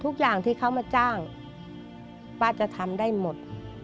ทุกอย่างที่เขามาจ้างป้าจะทำได้หมด